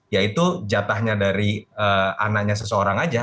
yaitu jatahnya dari anaknya seseorang aja